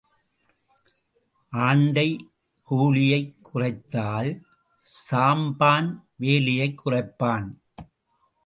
ஆண்டை கூலியைக் குறைத்தால் சாம்பான் வேலையைக் குறைப்பான்.